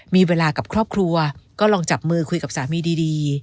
มีเวลากับครอบครัวก็ลองจับมือคุยกับสามีดี